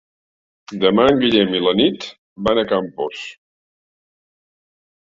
Demà en Guillem i na Nit van a Campos.